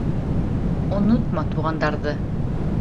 Онотма туғандарҙы.